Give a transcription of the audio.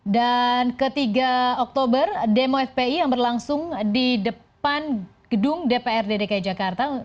dan ke tiga oktober demo fpi yang berlangsung di depan gedung dprd dki jakarta